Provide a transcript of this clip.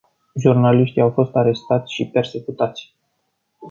Jurnaliști au fost arestați și persecutați.